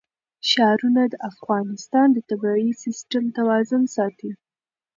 ښارونه د افغانستان د طبعي سیسټم توازن ساتي.